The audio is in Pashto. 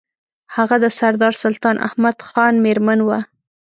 هغه د سردار سلطان احمد خان مېرمن وه.